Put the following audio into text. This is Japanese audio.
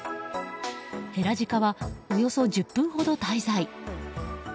ヘラジカはおよそ１０分ほど滞在。